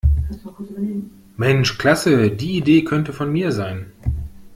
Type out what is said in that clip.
Mensch klasse, die Idee könnte von mir sein!